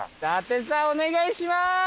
伊達さんお願いします！